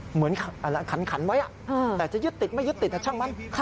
เหมือนขันไว้แต่จะยึดติดไม่ยึดติดช่างมัน